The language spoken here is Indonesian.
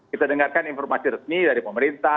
kita dengarkan informasi resmi dari pemerintah